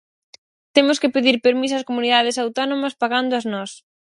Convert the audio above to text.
Temos que pedir permiso ás comunidades autónomas pagándoas nós.